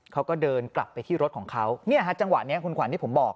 เขาก็เดินกลับไปที่รถของเขาเนี่ยฮะจังหวะนี้คุณขวัญที่ผมบอก